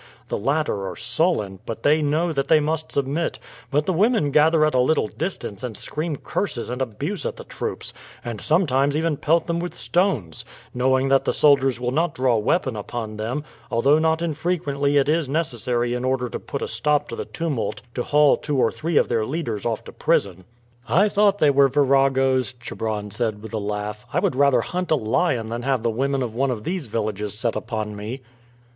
The latter are sullen, but they know that they must submit; but the women gather at a little distance and scream curses and abuse at the troops, and sometimes even pelt them with stones, knowing that the soldiers will not draw weapon upon them, although not infrequently it is necessary in order to put a stop to the tumult to haul two or three of their leaders off to prison." "I thought they were viragoes," Chebron said with a laugh. "I would rather hunt a lion than have the women of one of these villages set upon me."